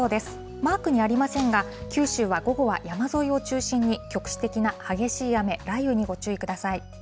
マークにありませんが、九州は午後は山沿いを中心に、局地的な激しい雨、雷雨にご注意ください。